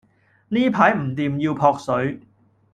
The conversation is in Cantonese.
呢排唔掂要撲水